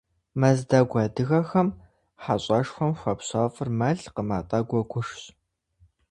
Мэздэгу адыгэхэм хьэщӏэшхуэм хуапщэфӏыр мэлкъым, атӏэ гуэгушщ.